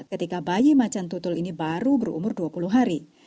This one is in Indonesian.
ketika bayi macan tutul ini baru berumur dua puluh hari